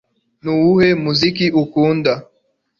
Nuwuhe muziki ukunda